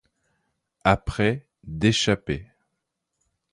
Après d'échappée.